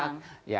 yang ini rusak